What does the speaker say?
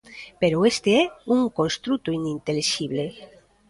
Pero este é un construto inintelixible.